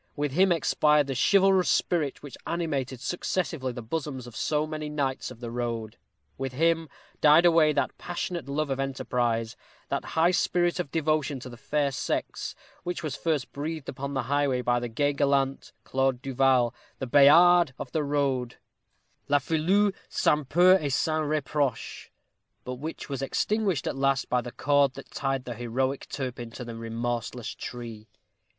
With him expired the chivalrous spirit which animated successively the bosoms of so many knights of the road; with him died away that passionate love of enterprise, that high spirit of devotion to the fair sex, which was first breathed upon the highway by the gay, gallant Claude Du Val, the Bayard of the road Le filou sans peur et sans reproche but which was extinguished at last by the cord that tied the heroic Turpin to the remorseless tree.